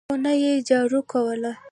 خونه یې جارو کوله !